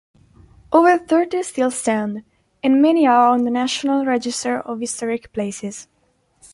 Over thirty still stand and many are on the National Register of Historic Places.